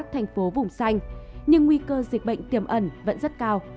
thành phố vùng xanh nhưng nguy cơ dịch bệnh tiềm ẩn vẫn rất cao